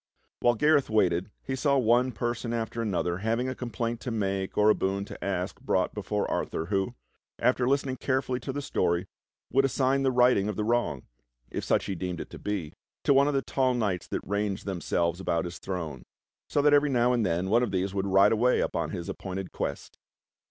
While Gareth waited he saw one person after another having a complaint to make or a boon to ask brought before Arthur, who, after listening carefully to the story, would assign the righting of the wrong — if such he deemed it to be — to one of the tall knights that ranged themselves about his throne; so that every now and then one of these would ride away upon his appointed quest.